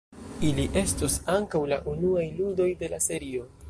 Ili estos ankaŭ la unuaj ludoj de la serio.